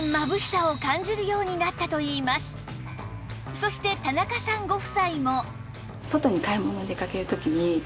そして田中さんご夫妻も